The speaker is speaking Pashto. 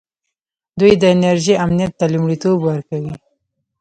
دوی د انرژۍ امنیت ته لومړیتوب ورکوي.